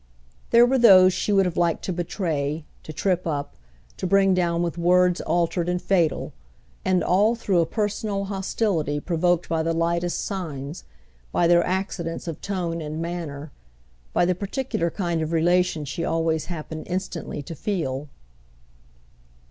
There were those she would have liked to betray, to trip up, to bring down with words altered and fatal; and all through a personal hostility provoked by the lightest signs, by their accidents of tone and manner, by the particular kind of relation she always happened instantly to feel.